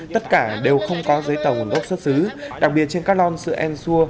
tất cả đều không có giấy tờ nguồn gốc xuất xứ đặc biệt trên các lon sữa en xua